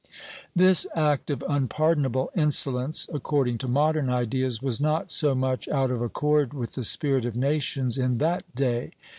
This act of unpardonable insolence, according to modern ideas, was not so much out of accord with the spirit of nations in that day.